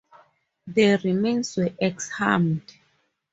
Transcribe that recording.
The remains were exhumed.